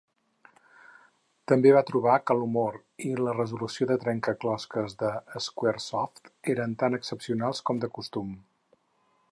També va trobar que l'humor i la resolució de trencaclosques de Squaresoft eren tan excepcionals com de costum.